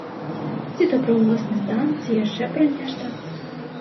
Ці то пра ўласны стан, ці яшчэ пра нешта.